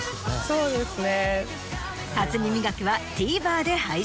そうですね。